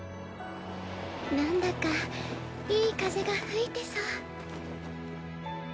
なんだかいい風が吹いてそう。